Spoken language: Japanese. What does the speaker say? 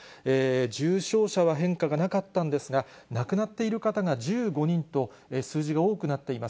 重症者は変化がなかったんですが、亡くなっている方が１５人と、数字が多くなっています。